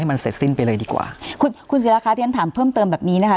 คุณศิลาคะถึงงั้นถามเพิ่มเติมแบบนี้นะคะ